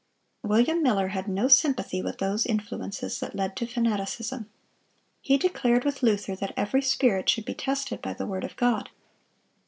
William Miller had no sympathy with those influences that led to fanaticism. He declared, with Luther, that every spirit should be tested by the word of God.